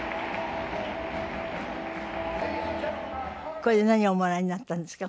これ何をおもらいになったんですか？